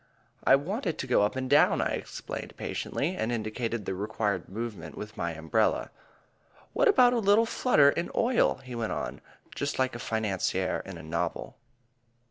"I want it to go up and down," I explained patiently, and I indicated the required movement with my umbrella. "What about a little flutter in oil?" he went on, just like a financier in a novel.